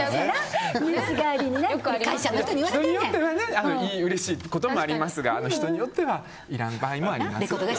人によってはうれしいこともありますが人によってはいらん場合もあります。